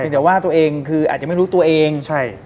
แต่ว่าตัวเองคืออาจจะไม่รู้ตัวเองใช่